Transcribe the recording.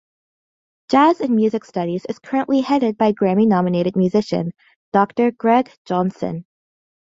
Jazz and music studies is currently headed by Grammy nominated musician, Doctor Greg Johnson.